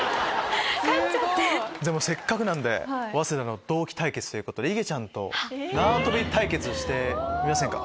せっかくなんで早稲田の同期対決ということでいげちゃんと縄跳び対決してみませんか。